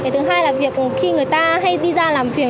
thứ hai là việc khi người ta hay đi ra làm việc